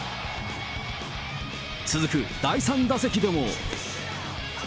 続く第３打席でも。